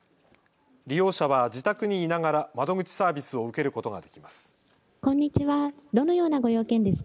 利用者は自宅にいながら窓口サービスを受けることができます。